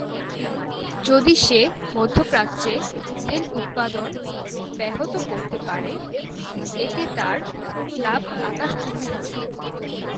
যদি সে মধ্যপ্রাচ্যে তেল উৎপাদন ব্যাহত করতে পারে, এতে তার লাভ আকাশচুম্বী হবে।